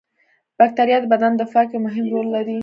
بکتریا د بدن دفاع کې مهم رول لري